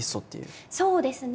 そうですね。